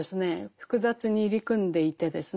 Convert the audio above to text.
複雑に入り組んでいてですね